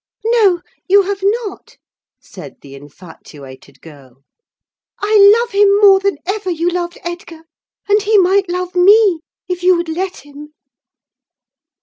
"No, you have not," said the infatuated girl. "I love him more than ever you loved Edgar, and he might love me, if you would let him!"